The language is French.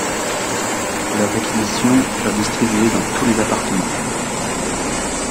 Leurs acquisitions furent distribuées dans tous les appartements.